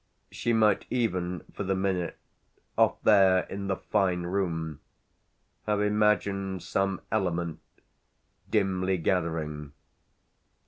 She might even for the minute, off there in the fine room, have imagined some element dimly gathering.